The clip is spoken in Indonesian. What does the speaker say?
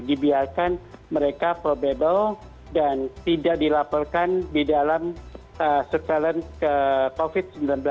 dibiarkan mereka probable dan tidak dilaporkan di dalam surveillance covid sembilan belas